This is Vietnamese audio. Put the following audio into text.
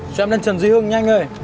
cho em lên trần dưới hương nhanh nha